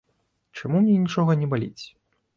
Чаму мне нічога не баліць?